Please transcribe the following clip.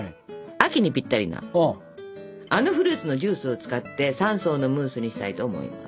秋にぴったりなあのフルーツのジュースを使って３層のムースにしたいと思います。